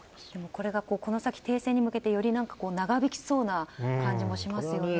これが、この先停戦に向けてより長引きそうな感じもしますね。